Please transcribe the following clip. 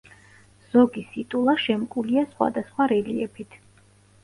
ზოგი სიტულა შემკულია სხვადასხვა რელიეფით.